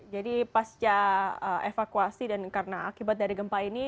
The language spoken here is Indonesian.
jadi pasca evakuasi dan karena akibat dari gempa ini